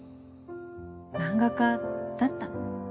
漫画家だったの。